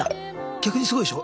逆にすごいでしょ？